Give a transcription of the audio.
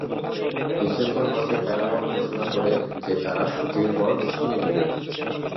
December মাসে Paramount ঘোষণা করে যে তারা ড্রিমওয়ার্কস কিনে নেবে।